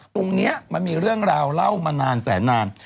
ตรงนี้มันมีเรื่องราวเล่ามานานแสนนาน